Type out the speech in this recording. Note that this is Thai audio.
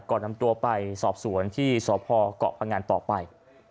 ก่อนนำตัวไปสอบสวนที่สอบภอกเกาะประการต่อไป